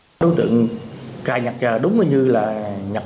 để khi mà liên hiệp các hành khách đấu tác liên hiệp tới